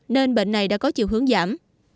nên bệnh này đã có chiều hướng giảm